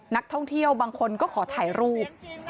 นักท่องเที่ยวบางคนก็ขอถ่ายรูป